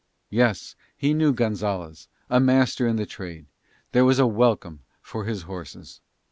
Yes, he knew Gonzalez, a master in the trade: there was a welcome for his horses.